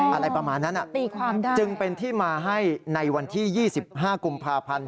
อะไรประมาณนั้นตีความได้จึงเป็นที่มาให้ในวันที่๒๕กุมภาพันธ์